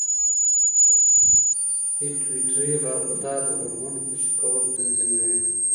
پېټویټري غده د هورمون خوشې کول تنظیموي.